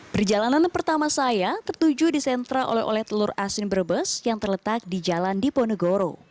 perjalanan pertama saya tertuju di sentra oleh oleh telur asin brebes yang terletak di jalan diponegoro